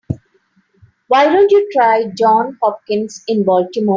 Why don't you try Johns Hopkins in Baltimore?